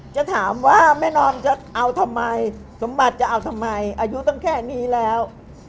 จะถามว่าแม่นอมจะเอาทำไมสมบัติจะเอาทำไมอายุตั้งแค่นี้แล้ว